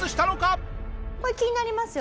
これ気になりますよね？